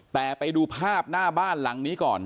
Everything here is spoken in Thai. แต่ไปดูภาพหน้าบ้านหลังนี้ก่อน